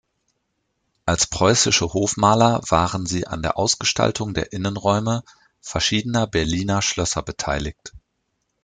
Als preußische Hofmaler waren sie an der Ausgestaltung der Innenräume verschiedener Berliner Schlösser beteiligt.